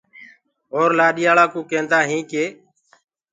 اور لآڏياݪآ ڪوٚ ڪيندآ هينٚ ڪي۔